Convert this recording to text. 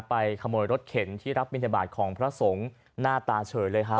ไปขโมยรถเข็นที่รับบินทบาทของพระสงฆ์หน้าตาเฉยเลยฮะ